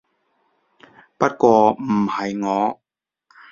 不過唔係我